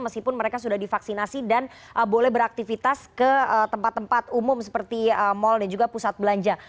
meskipun mereka sudah divaksinasi dan boleh beraktivitas ke tempat tempat umum seperti mal dan juga pusat belanja